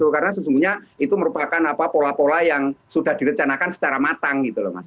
karena sesungguhnya itu merupakan pola pola yang sudah direcanakan secara matang